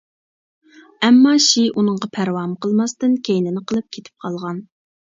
ئەمما شى ئۇنىڭغا پەرۋامۇ قىلماستىن كەينىنى قىلىپ كېتىپ قالغان.